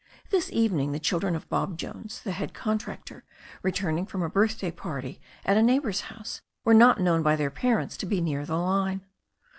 This evening the children of Bob Jones, the head contractor, returning from a birthday party at a neigh bour's house, were not known by their parents to be near the line.